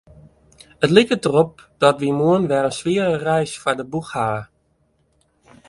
It liket derop dat wy moarn wer in swiere reis foar de boech hawwe.